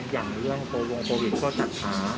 อย่างเรื่องโปรวงโปรวิทย์ก็จัดหา